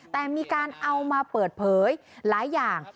แต่มีการเอามาเปิดเผยหลายอย่าง